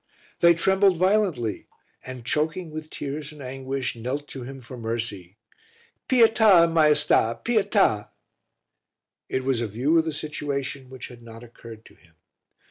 They trembled violently and, choking with tears and anguish, knelt to him for mercy. "Pieta, Maiesta, pieta!" It was a view of the situation which had not occurred to him.